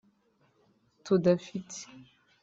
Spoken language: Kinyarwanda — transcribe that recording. tudafite